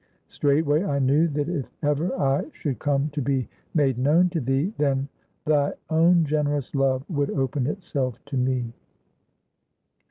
Straightway I knew that if ever I should come to be made known to thee, then thy own generous love would open itself to me."